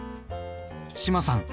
志麻さん